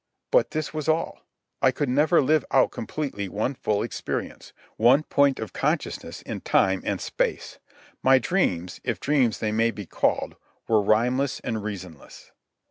But that was all. I could never live out completely one full experience, one point of consciousness in time and space. My dreams, if dreams they may be called, were rhymeless and reasonless.